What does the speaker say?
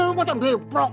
kamu juga dupaan